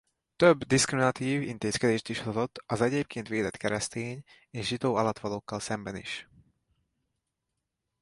Több diszkriminatív intézkedést is hozott az egyébként védett keresztény és zsidó alattvalókkal szemben is.